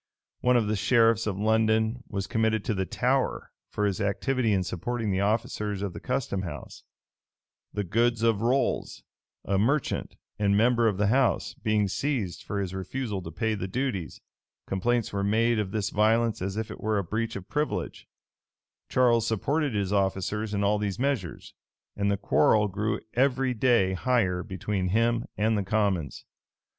[] One of the sheriffs of London was committed to the Tower for his activity in supporting the officers of the custom house: the goods of Rolles, a merchant, and member of the house, being seized for his refusal to pay the duties, complaints were made of this violence as if it were a breach of privilege:[v] Charles supported his officers in all these measures; and the quarrel grew every day higher between him and the commons.